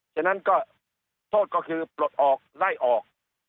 ฉะนั้นก็โทษก็คือปลดออกไล่ออก